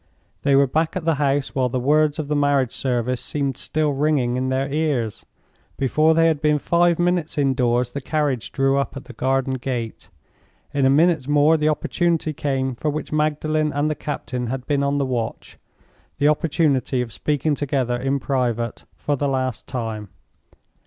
They were back at the house while the words of the Marriage Service seemed still ringing in their ears. Before they had been five minutes indoors the carriage drew up at the garden gate. In a minute more the opportunity came for which Magdalen and the captain had been on the watch—the opportunity of speaking together in private for the last time.